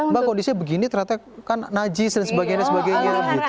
mbak kondisinya begini ternyata kan najis dan sebagainya sebagainya